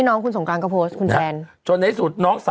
น้องคุณสงการก็โพสต์คุณแทนจนในสุดน้องสาว